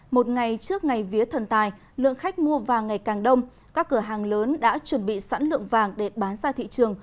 một ngày trước ngày vía thần tài lượng khách mua vàng ngày càng đông các cửa hàng lớn đã chuẩn bị sẵn lượng vàng để bán ra thị trường